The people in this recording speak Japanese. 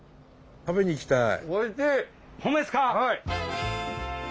食べに行きたい。